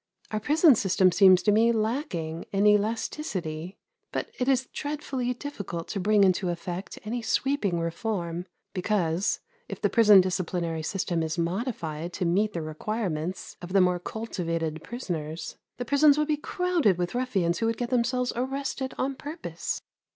Our prison system seems to me lacking in elasticity; but it is dreadfully difficult to bring into effect any sweeping reform; because if the prison disciplinary system is modified to meet the requirements of the more cultivated prisoners, the prisons would be crowded with ruffians who would get themselves arrested on purpose.